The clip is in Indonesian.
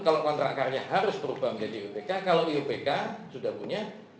kalau kontrak karya harus berubah menjadi iupk kalau iupk sudah punya